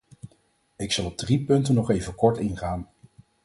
Ik zal op drie punten nog even kort ingaan.